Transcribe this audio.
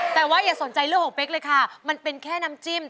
แต่ว่าอย่าสนใจเรื่องของเป๊กเลยค่ะมันเป็นแค่น้ำจิ้ม